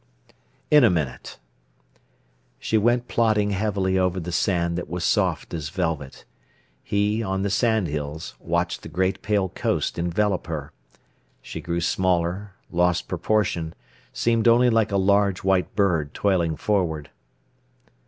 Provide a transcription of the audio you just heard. "In a minute." She went plodding heavily over the sand that was soft as velvet. He, on the sandhills, watched the great pale coast envelop her. She grew smaller, lost proportion, seemed only like a large white bird toiling forward.